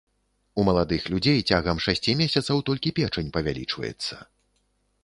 У маладых людзей цягам шасці месяцаў толькі печань павялічваецца.